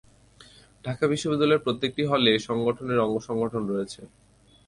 ঢাকা বিশ্ববিদ্যালয়ের প্রত্যেকটি হলে এ সংগঠনের অঙ্গ সংগঠন রয়েছে।